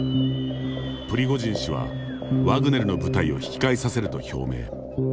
プリゴジン氏は、ワグネルの部隊を引き返させると表明。